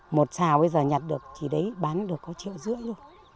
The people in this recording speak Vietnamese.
một xào bây giờ nhặt được chỉ đấy bán được có triệu rưỡi luôn